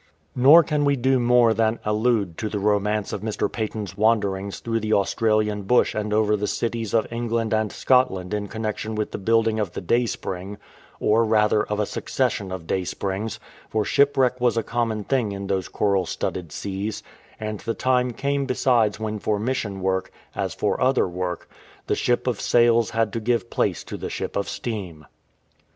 Nor can we do more than allude to the romance of Mr. Paton"'s wanderings through the Australian bush and over the cities of England and Scotland in connexion with the building of the Dai/spring, or rather of a succession of Daysprings, for shipwreck was a common thing in those coral studded seas, and the time came besides when for mission work, as for other work, the ship of sails had to give place to the ship of steam.